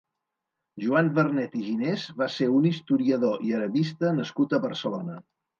Joan Vernet i Ginés va ser un historiador i arabista nascut a Barcelona.